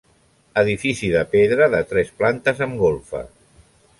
Edifici de pedra de tres plantes amb golfa.